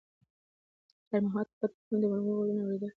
خیر محمد په خپل تلیفون کې د ملګرو غږونه اورېدل.